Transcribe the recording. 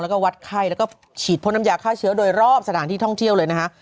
แล้วก็วัดไข้แล้วก็ฉีดพ่นน้ำยาฆ่าเชื้อโดยรอบสถานที่ท่องเที่ยวเลยนะฮะ